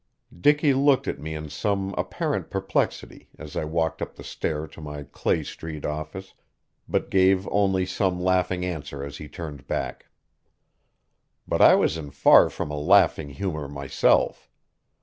Dicky looked at me in some apparent perplexity as I walked up the stair to my Clay Street office, but gave only some laughing answer as he turned back. But I was in far from a laughing humor myself.